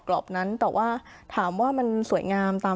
เพราะฉะนั้นทำไมถึงต้องทำภาพจำในโรงเรียนให้เหมือนกัน